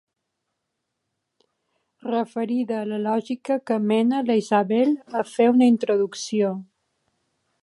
Referida a la lògica que mena la Isabel a fer una introducció.